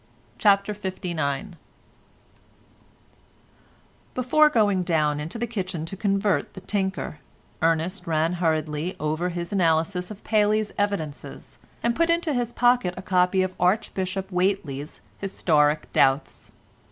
CHAPTER LIX Before going down into the kitchen to convert the tinker Ernest ran hurriedly over his analysis of Paley's evidences, and put into his pocket a copy of Archbishop Whateley's "Historic Doubts."